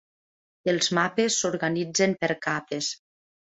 Els mapes s'organitzen per capes.